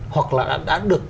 hoặc là đã được